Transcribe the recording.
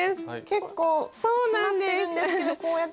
結構詰まってるんですけどこうやって穴をあけて。